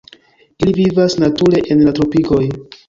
Ili vivas nature en la tropikoj.